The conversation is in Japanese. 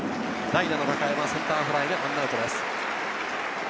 代打・高山はセンターフライで１アウトです。